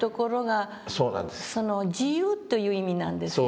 「自由」という意味なんですよね。